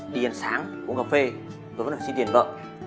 đi ăn sáng uống cà phê tôi vẫn phải xin tiền vợ